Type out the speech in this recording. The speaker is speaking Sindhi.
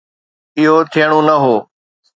اهو ٿيڻو نه هو.